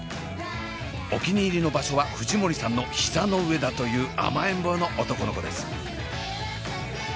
お気に入りの場所は藤森さんの膝の上だという甘えん坊の男の子です。